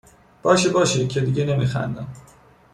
باشه باشه که دیگه نمیخندم